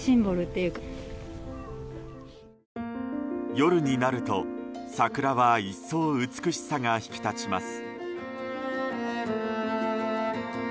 夜になると桜は一層美しさが引き立ちます。